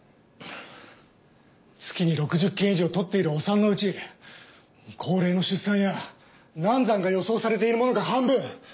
月に６０件以上とっているお産のうち高齢の出産や難産が予想されているものが半分。